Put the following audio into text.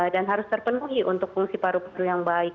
dan harus terpenuhi untuk fungsi paru paru yang baik